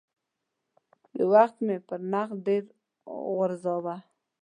یو وخت مې پر نقد ډېر وځوراوه.